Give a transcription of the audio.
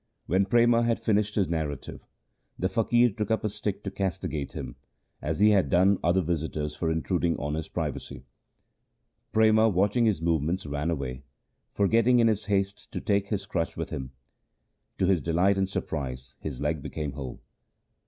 When Prema had finished his narrative, the faqir took up a stick to castigate him, as he had done other visitors for intruding on his privacy. Prema watching his movements ran away, forgetting in his haste to take his crutch with him. To his delight and surprise his leg became whole.